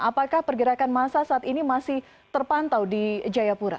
apakah pergerakan masa saat ini masih terpantau di jayapura